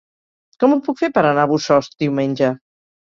Com ho puc fer per anar a Bossòst diumenge?